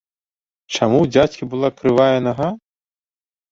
Чаму ў дзядзькі была крывая нага?